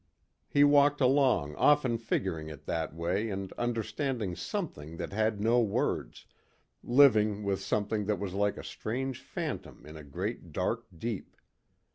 He walked along often figuring it that way and understanding something that had no words, living with something that was like a strange phantom in a great dark deep.